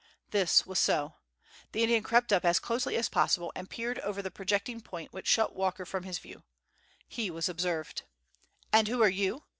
This was so. The Indian crept up as closely as possible, and peered over the projecting point which shut Walker from his view. He was observed. "And who are you?"